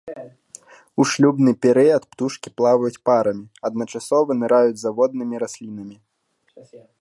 У шлюбны перыяд птушкі плаваюць парамі, адначасова ныраюць за воднымі раслінамі.